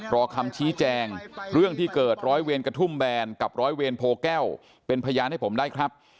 รอคำชี้แจงเรื่องที่เกิดร้อยเวรกระทุ่มแบนกับร้อยเวรโพแก้วเป็นพยานให้ผมได้ครับ